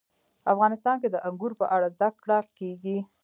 افغانستان کې د انګور په اړه زده کړه کېږي.